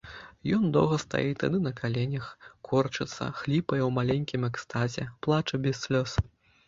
Ён доўга стаіць тады на каленях, корчыцца, хліпае ў маленькім экстазе, плача без слёз.